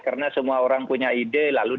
karena semua orang punya ide lalu